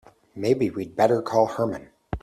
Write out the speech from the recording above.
Maybe we'd better call Herman.